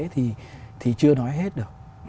thì chưa nói hết được